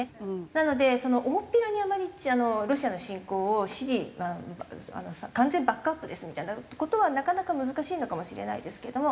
なので大っぴらにあまりロシアの侵攻を支持完全バックアップですみたいな事はなかなか難しいのかもしれないですけれども。